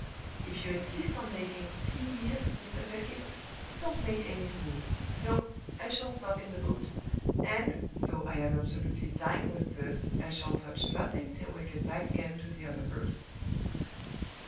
"If you insist on making tea here, Mr. Pedgift, don't make any for me. No! I shall stop in the boat; and, though I am absolutely dying with thirst, I shall touch nothing till we get back again to the other Broad!"